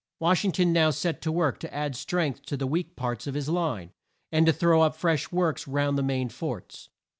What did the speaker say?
Wash ing ton now set to work to add strength to the weak parts of his line, and to throw up fresh works round the main forts.